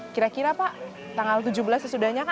kira kira pak tanggal tujuh belas sesudahnya